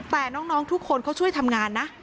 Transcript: แต่น้องทุกคนเขาช่วยทำงานนะ